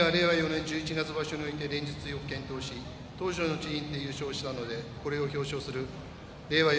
４年十一月場所において連日よく健闘し頭書の地位にて優勝したのでこれを表彰する令和